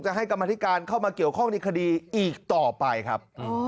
ให้กรรมธิการเข้ามาเกี่ยวข้องในคดีอีกต่อไปครับ